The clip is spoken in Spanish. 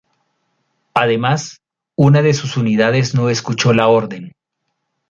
Además, una de sus unidades no escuchó la orden.